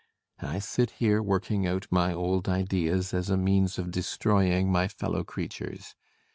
I sit here working out my old ideas as a means of destroying my fellow creatures.